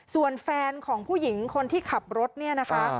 ส่วนแฟนของผู้หญิงคนที่ขับรถเนี่ยนะคะ